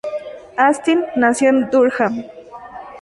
Astin nació en Durham.